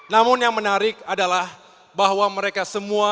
namun yang menariknya karena jalan lem benim societak ini sudah berjalan sepenuh masa